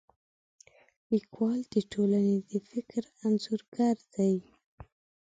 لیکوال د ټولنې د فکر انځورګر دی.